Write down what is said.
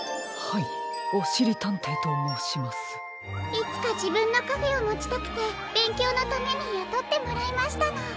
いつかじぶんのカフェをもちたくてべんきょうのためにやとってもらいましたの。